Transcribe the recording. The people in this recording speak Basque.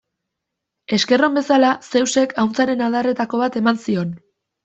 Esker on bezala, Zeusek ahuntzaren adarretako bat eman zion.